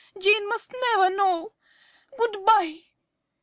Jane must never know. Good bye!